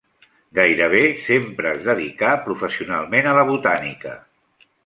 Gairebé sempre es dedicà professionalment a la botànica.